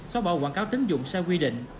xóa bỏ quảng cáo tính dụng sai quy định